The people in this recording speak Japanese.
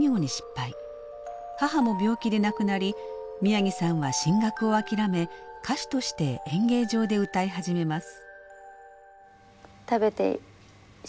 母も病気で亡くなり宮城さんは進学を諦め歌手として演芸場で歌い始めます。